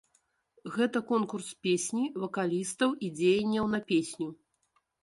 Гэта конкурс песні, вакалістаў і дзеянняў на песню.